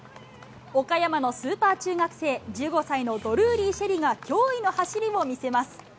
岡山のスーパー中学生、１５歳のドルーリー朱瑛里が驚異の走りを見せます。